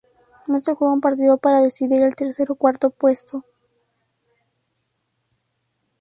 No se juega un partido para decidir el tercer o cuarto puesto.